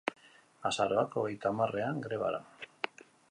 Azaroak hogeita hamarrean, grebara